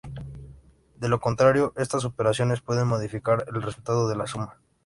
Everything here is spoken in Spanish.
De lo contrario estas operaciones pueden modificar el resultado de la suma.